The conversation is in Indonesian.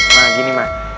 nah gini ma